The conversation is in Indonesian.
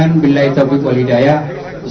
assalamualaikum warahmatullahi wabarakatuh